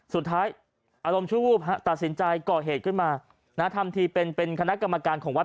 สุดท้ายอารมณ์ชั่ววูบตัดสินใจก่อเหตุขึ้นมาทำทีเป็นเป็นคณะกรรมการของวัด